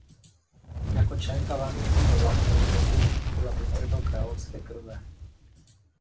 Jako členka vládnoucího rodu Bourbonů byla "princeznou královské krve".